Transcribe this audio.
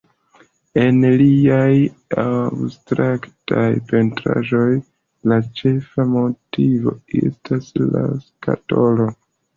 En liaj abstraktaj pentraĵoj la ĉefa motivo estas la skatolo.